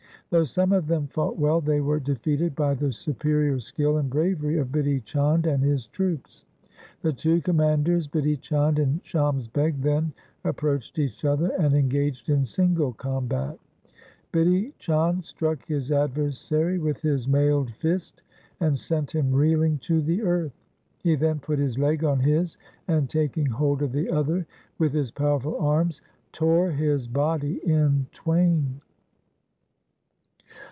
Though some of them fought well, they were defeated by the superior skill and bravery of Bidhi Chand and his troops. The two commanders, Bidhi Chand and Shams Beg, then approached each other and engaged in single combat. Bidhi Chand struck his adversary with his mailed fist, and sent him reeling to the earth. He then put his leg on his, and, taking hold of the other with his powerful arms, tore his body in twain.